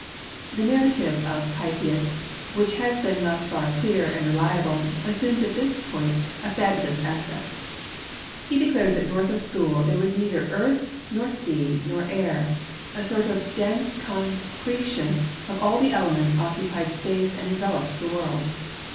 The narrative of Pytheas, which has been thus far clear and reliable, assumes at this point a fabulous aspect. He declares that north of Thule there was neither earth, nor sea, nor air. A sort of dense concretion of all the elements occupied space and enveloped the world.